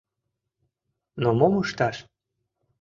Но мом ышташ?..